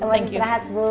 selamat istirahat bu